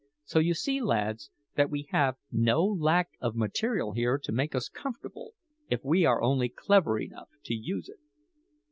So you see, lads, that we have no lack of material here to make us comfortable, if we are only clever enough to use it."